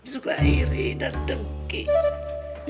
suka iri dan dengking